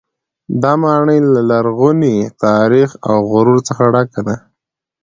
دا ماڼۍ له لرغوني تاریخ او غرور څخه ډکه ده.